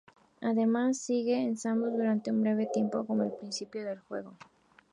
Además sigue a Samus durante un breve tiempo como en el principio del juego.